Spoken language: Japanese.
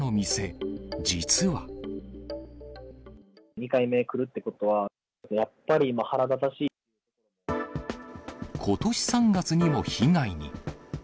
２回目来るってことは、ことし３月にも被害に。